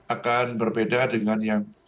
akan berbeda dengan yang